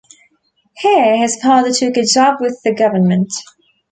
Here his father took a job with the government.